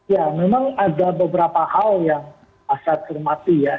ya memang ada beberapa hal yang asal kermati ya